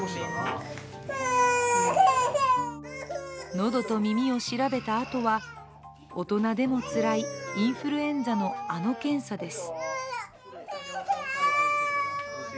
喉と耳を調べたあとは、大人でもつらいインフルエンザのあの検査です。